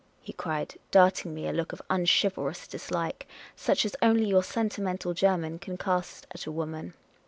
he cried, darting me a look of unchivalrous dislike, such as only your sentimental German can cast at a woman.